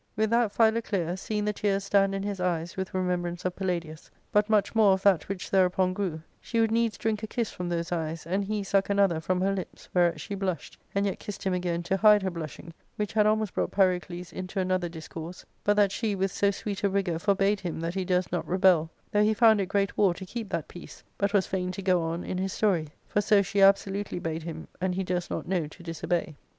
With that Philoclea, seeing the tears stand in his eyes ;' with remembrance of Palladius, but much more of that which ' thereupon grew, she would needs drink a kiss from those eyes, and he suck another from her lips, whereat she blushed, and yet kissed him again to hide her blushing, which had almost brought Pyrocles into another discourse, but that she with so sweet a rigour forbad him that he durst not rebel, though he found it great war to keep that peace, but was fain to go on in his story ; for so she absolutely bade him, ; and he durst not know to disobey.